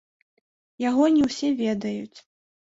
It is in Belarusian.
Яго не ўсе ведаюць.